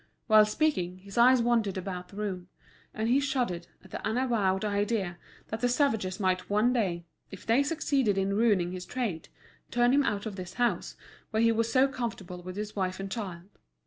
Whilst speaking his eyes wandered about the room; and he shuddered at the unavowed idea that the savages might one day, if they succeeded in ruining his trade, turn him out of this house where he was so comfortable with his wife and child.